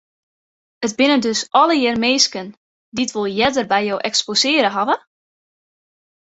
It binne dus allegear minsken dy't wol earder by jo eksposearre hawwe?